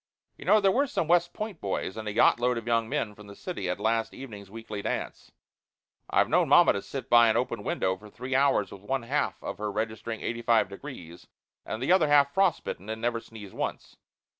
You know, there were some West Point boys and a yacht load of young men from the city at last evening's weekly dance. I've known mamma to sit by an open window for three hours with one half of her registering 85 degrees and the other half frostbitten, and never sneeze once.